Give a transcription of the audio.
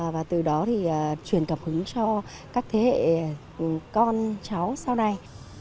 và từ đó thì truyền cảm hứng cho các thế hệ con cháu sau này